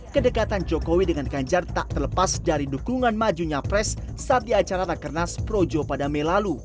kedekatan jokowi dengan ganjar tak terlepas dari dukungan majunya pres saat di acara rakernas projo pada mei lalu